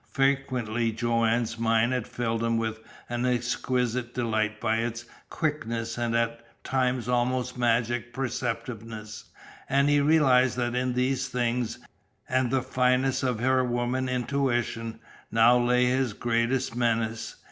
Frequently Joanne's mind had filled him with an exquisite delight by its quickness and at times almost magic perceptiveness, and he realized that in these things, and the fineness of her woman's intuition, now lay his greatest menace.